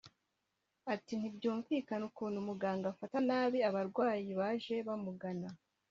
ati "Ntibyumvikana ukuntu umuganga afata nabi abarwayi baje bamugana